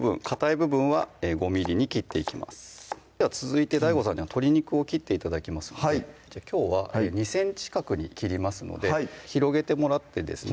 部分は５ｍｍに切っていきますでは続いてＤＡＩＧＯさんには鶏肉を切って頂きますのできょうは２ｃｍ角に切りますので広げてもらってですね